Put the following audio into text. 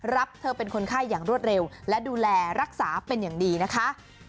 รับเธอเป็นคนไข้อย่างรวดเร็วและดูแลรักษาเป็นอย่างดีนะคะ